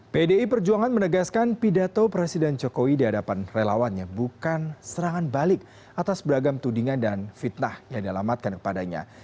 pdi perjuangan menegaskan pidato presiden jokowi di hadapan relawannya bukan serangan balik atas beragam tudingan dan fitnah yang dialamatkan kepadanya